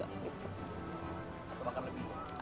atau mungkin lebih